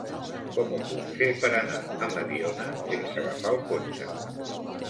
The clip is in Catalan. Com ho puc fer per anar a Mediona sense agafar el cotxe?